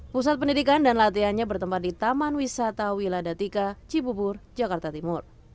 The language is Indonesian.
pusat pendidikan dan latihannya bertempat di taman wisata wiladatika cibubur jakarta timur